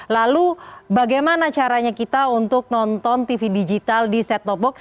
lalu bagaimana caranya kita untuk nonton tv digital di set top box